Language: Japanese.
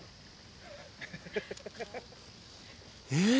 えっ？